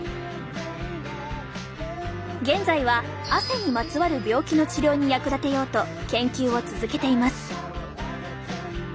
現在は汗にまつわる病気の治療に役立てようと研究を続けています。